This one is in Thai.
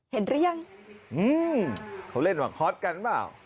เห็นหรือยังอืมเขาเล่นหวังฮอตกันหรือเปล่า